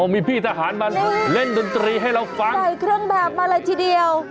มีพี่ทหารมาเล่นดนตรีให้เราฟังใส่เครื่องแบบมาเลยทีเดียว